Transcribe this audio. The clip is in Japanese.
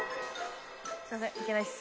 すいませんいけないっす。